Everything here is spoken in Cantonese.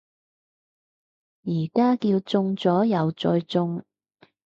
而家叫中咗右再中